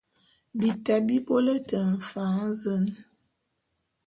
Bita bi bôle te mfan zen !